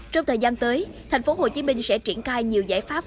trong thời gian tới thành phố hồ chí minh sẽ triển khai nhiều giải pháp